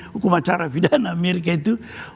hukuman cara fidana mereka itu